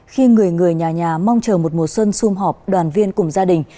khi người người nhà nhà mong chờ một mùa xuân xung họp đoàn viên cùng gia đình